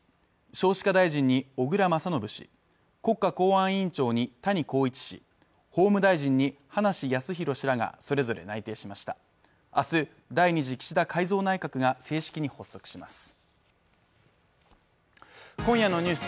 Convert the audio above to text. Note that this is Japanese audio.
少子化大臣に小倉将信氏国家公安委員長に谷公一氏法務大臣に葉梨康弘氏らがそれぞれ内定しました明日第２次岸田改造内閣が正式に発足します